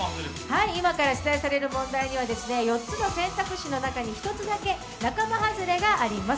今から出題される問題には４つの選択肢の中に１つだけ仲間外れがあります。